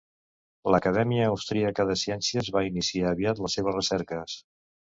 L'Acadèmia Austríaca de Ciències va iniciar aviat les seves recerques.